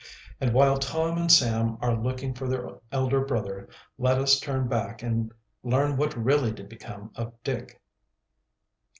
And while Tom and Sam are looking for their elder brother, let us turn back and learn what really did become of Dick.